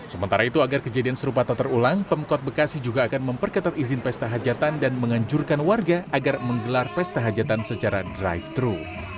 sementara itu agar kejadian serupa tak terulang pemkot bekasi juga akan memperketat izin pesta hajatan dan menganjurkan warga agar menggelar pesta hajatan secara drive thru